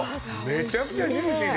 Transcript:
めちゃくちゃジューシーですよ。